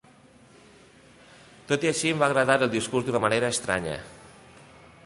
Tot i així, em va agradar el discurs d'una manera estranya.